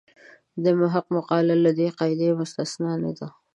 د محق مقاله له دې قاعدې مستثنا نه ده.